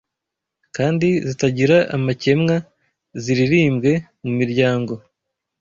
kandi zitagira amakemwa ziririmbwe mu miryango